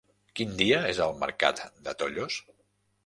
Quin dia és el mercat de Tollos?